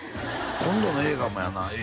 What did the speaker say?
今度の映画もやなええ